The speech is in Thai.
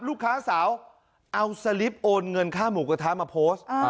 ลูกสาวเอาสลิปโอนเงินค่าหมูกระทะมาโพสต์